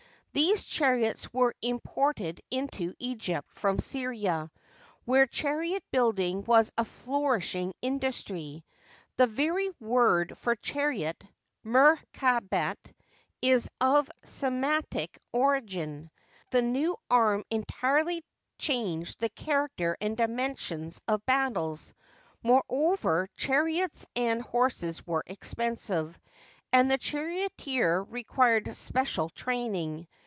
These chariots were imported into Egypt from Syria, where chariot building was a flourishing industry. The very word for chariot — merkabet — ^is of Semitic origin. This new arm entirely changed the char acter and dimensions of battles. Moreover, chariots and horses were expensive, and the charioteer required special training.